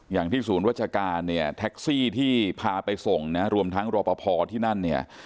อย่างที่ศูนย์วัชการเนี่ยแท็กซี่ที่พาไปส่งนะรวมทั้งรอปภที่นั่นเนี่ย